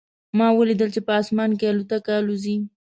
ما ولیدل چې په اسمان کې الوتکه الوزي